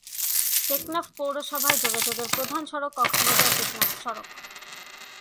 টেকনাফ পৌরসভায় যোগাযোগের প্রধান সড়ক কক্সবাজার-টেকনাফ সড়ক।